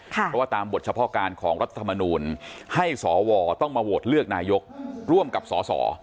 เพราะว่าตามบทเฉพาะการของรัฐธรรมนูลให้สวต้องมาโหวตเลือกนายกร่วมกับสส